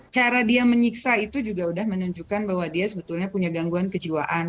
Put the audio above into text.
cara dia menyiksa itu juga sudah menunjukkan bahwa dia sebetulnya punya gangguan kejiwaan